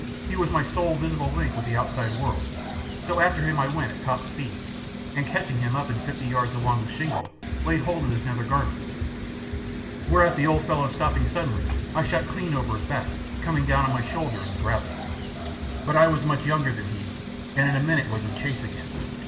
He was my sole visible link with the outside world, so after him I went at tip top speed, and catching him up in fifty yards along the shingle laid hold of his nether garments. Whereat the old fellow stopping suddenly I shot clean over his back, coming down on my shoulder in the gravel. But I was much younger than he, and in a minute was in chase again.